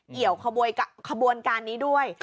เกี่ยวขบวนการนี้ด้วย